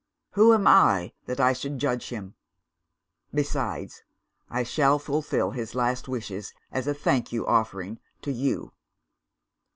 Who am I that I should judge him? Besides, I shall fulfil his last wishes as a thank offering for You.